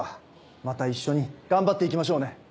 また一緒に頑張って行きましょうね。